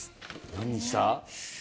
何にした？